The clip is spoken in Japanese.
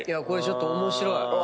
これちょっと面白い。